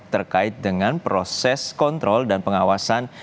terkait dengan proses kontrol dan pengawasan